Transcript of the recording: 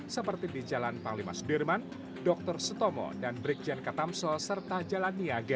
seperti di jalan panglimas dirman dokter setomo dan brikjen katamso serta jalan niaga